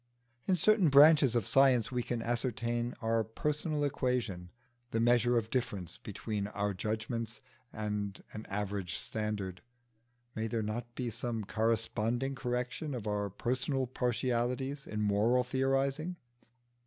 In certain branches of science we can ascertain our personal equation, the measure of difference between our own judgments and an average standard: may there not be some corresponding correction of our personal partialities in moral theorising?